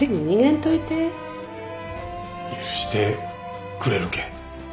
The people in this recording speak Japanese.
許してくれるけ？